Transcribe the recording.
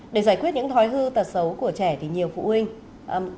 để giải quyết những thói hư tật xấu của trẻ thì nhiều phụ huynh